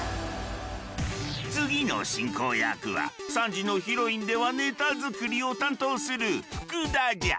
次の進行役は３時のヒロインではネタ作りを担当する福田じゃ。